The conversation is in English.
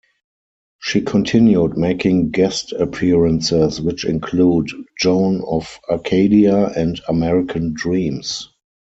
She continued making guest appearances, which include "Joan of Arcadia" and "American Dreams".